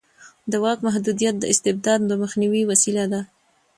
د واک محدودیت د استبداد د مخنیوي وسیله ده